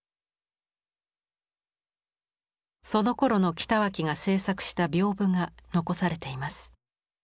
そのころの北脇が制作した屏風が残されています。